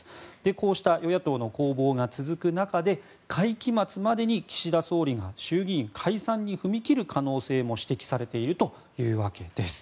こうした与野党の攻防が続く中で会期末までに岸田総理が衆議院を解散に踏み切る可能性も指摘されているというわけです。